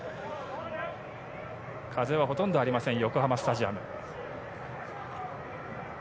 風はほとんどありません、横浜スタジアム。